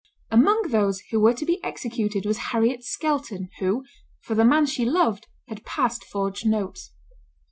Among those who were to be executed was Harriet Skelton, who, for the man she loved, had passed forged notes.